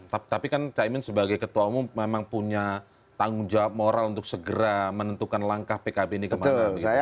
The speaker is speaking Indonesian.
tapi kan caimin sebagai ketua umum memang punya tanggung jawab moral untuk segera menentukan langkah pkb ini kemana